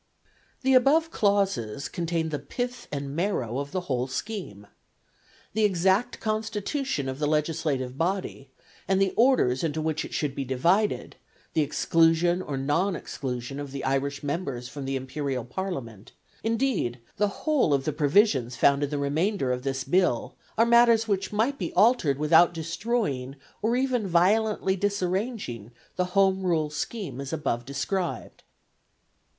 The above clauses contain the pith and marrow of the whole scheme. The exact constitution of the legislative body, and the orders into which it should be divided, the exclusion or non exclusion of the Irish members from the Imperial Parliament, indeed, the whole of the provisions found in the remainder of this Bill, are matters which might be altered without destroying, or even violently disarranging, the Home rule scheme as above described.